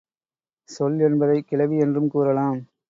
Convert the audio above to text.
சொல் என்பதை கிளவி என்றும் கூறலாம்.